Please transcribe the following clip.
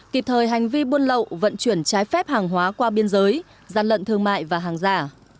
kịp thời hành vi buôn lậu vận chuyển trái phép hàng hóa qua biên giới gian lận thương mại và hàng giả